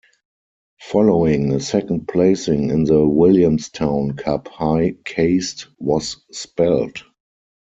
Following a second placing in the Williamstown Cup High Caste was spelled.